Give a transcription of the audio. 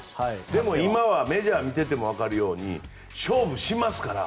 でも今はメジャー見ててもわかるように勝負しますから。